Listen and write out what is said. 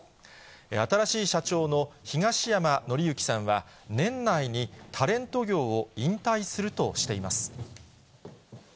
新しい社長の東山紀之さんは、年内にタレント業を引退するとしています。